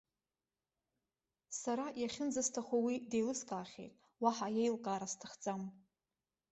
Сара иахьынӡасҭаху уи деилыскаахьеит, уаҳа иеилкаара сҭахӡам.